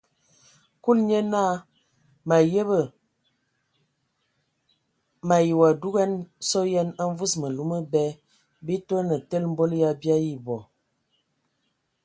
Kulu nye naa : mǝ ayəbǝ! mǝ ayi wa dugan sɔ yen a mvus mǝlu mǝbɛ, bii toane tele mbol bii ayi bɔ.